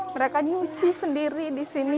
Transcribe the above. mereka nyuci sendiri di sini